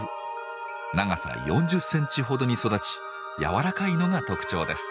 長さ４０センチほどに育ち柔らかいのが特徴です。